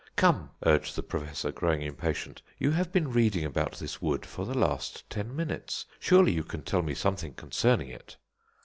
"Come," urged the Professor, growing impatient, "you have been reading about this wood for the last ten minutes. Surely you can tell me something concerning it."